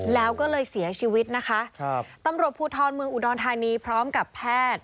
แล้วก็เลยเสียชีวิตนะคะครับตำรวจภูทรเมืองอุดรธานีพร้อมกับแพทย์